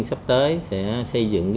sắp tới sẽ xây dựng